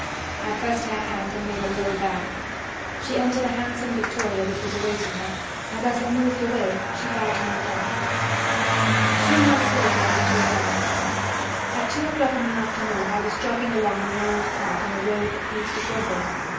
I pressed her hand and made a low bow. She entered a handsome victoria which was awaiting her, and as it moved away she bowed to me again. Two months later I met her again. At two o'clock in the afternoon I was jogging along in an old cart on the road that leads to Cordoba.